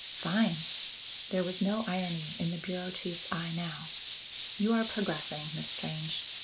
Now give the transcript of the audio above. "Fine!" There was no irony in the bureau chief's eye now. "You are progressing, Miss Strange.